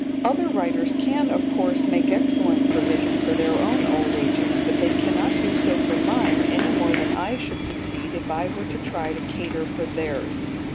Other writers can, of course, make excellent provision for their own old ages, but they cannot do so for mine, any more than I should succeed if I were to try to cater for theirs.